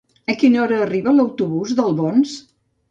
A quina hora arriba l'autobús d'Albons?